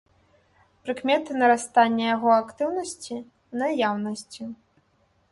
Прыкметы нарастання яго актыўнасці ў наяўнасці.